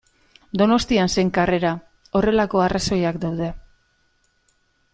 Donostian zen karrera, horrelako arrazoiak daude.